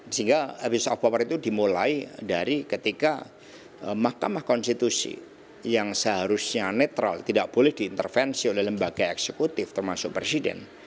sehingga abuse of power itu dimulai dari ketika mahkamah konstitusi yang seharusnya netral tidak boleh diintervensi oleh lembaga eksekutif termasuk presiden